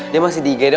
dia masih di gede